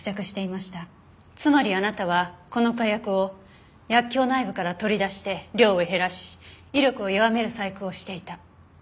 つまりあなたはこの火薬を薬莢内部から取り出して量を減らし威力を弱める細工をしていた。